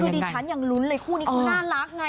คือดิฉันยังลุ้นเลยคู่นี้เขาน่ารักไง